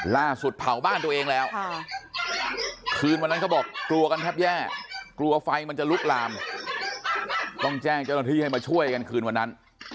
ล่าสุดเผาบ้านตัวเองแล้วคืนวันนั้นเขาบอกกลัวกันแทบแย่กลัวไฟมันจะลุกลามต้องแจ้งเจ้าหน้าที่ให้มาช่วยกันคืนวันนั้น